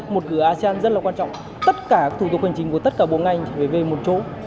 một cửa asean rất là quan trọng tất cả thủ tục hành chính của tất cả bộ ngành phải về một chỗ